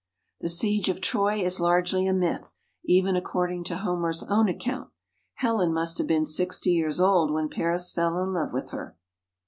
The siege of Troy is largely a myth, even according to Homer's own account. Helen must have been 60 years old when Paris fell in love with her.